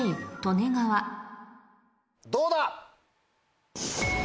どうだ！